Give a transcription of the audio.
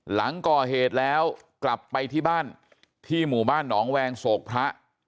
หลังก่อเหตุแล้วกลับไปที่บ้านที่หมู่บ้านหนองแวงโศกพระ